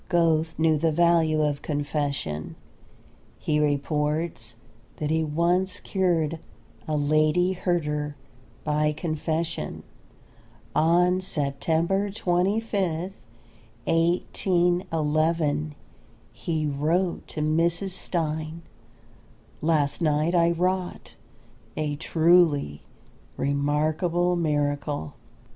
Goethe knew the value of confession. He reports that he once cured a Lady Herder by confession. On September 25th, 1811, he wrote to Mrs. Stein: "Last night I wrought a truly remarkable miracle.